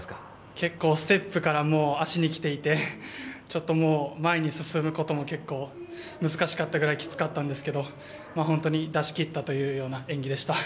結構、ステップから足に来ていてちょっと前に進むことも結構、難しかったぐらいきつかったんですけど本当に出し切ったというような演技でした。